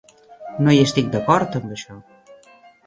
No hi estic d'acord amb això.